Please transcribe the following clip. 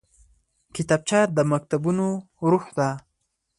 کتابچه د مکتبونو روح ده